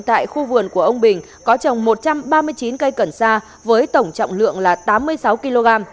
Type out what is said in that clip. tại khu vườn của ông bình có trồng một trăm ba mươi chín cây cần sa với tổng trọng lượng là tám mươi sáu kg